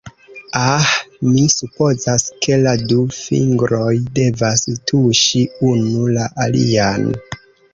Ah, mi supozas ke la du fingroj devas tuŝi unu la alian.